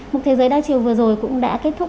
một thế giới đa chiều vừa rồi cũng đã kết thúc